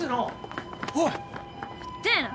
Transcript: いってえな